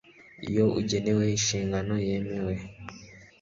iyo ugenewe inshingano yemeye